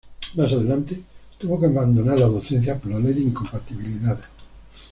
Más adelante tuvo que abandonar la docencia por la Ley de Incompatibilidades.